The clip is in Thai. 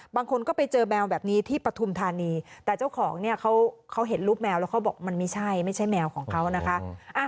บางคนก็ไปเจอแมวแบบนี้ที่ปฐุมธานีแต่เจ้าของเนี่ยเขาเห็นรูปแมวแล้วเขาบอกมันไม่ใช่ไม่ใช่แมวของเขานะคะ